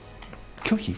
拒否？